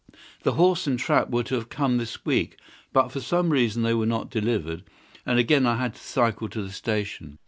"The horse and trap were to have come this week, but for some reason they were not delivered, and again I had to cycle to the station.